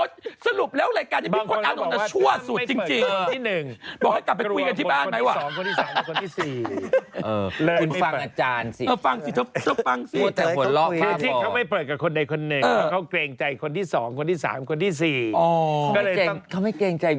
ทำไมอะไม่สินี่ก็ต้องมีเคราะห์ไง